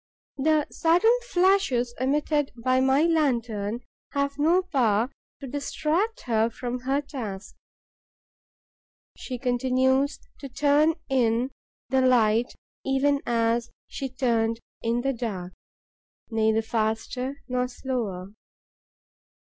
The sudden flashes emitted by my lantern have no power to distract her from her task. She continues to turn in the light even as she turned in the dark, neither faster nor slower.